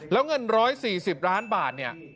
แล้วเงิน๑๔๐ล้านบาท